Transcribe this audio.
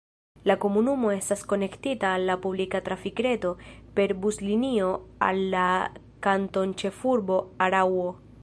La komunumo estas konektita al la publika trafikreto per buslinio al la kantonĉefurbo Araŭo.